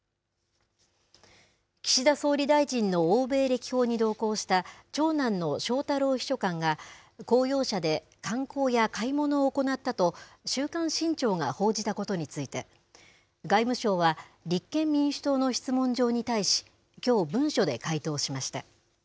岸田総理大臣の欧米歴訪に同行した長男の翔太郎秘書官が、公用車で観光や買い物を行ったと、週刊新潮が報じたことについて、外務省は、立憲民主党の質問状に対し、きょう、文書で回答しました。